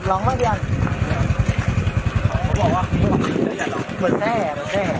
กำลังต้องอย่างผู้ชมได้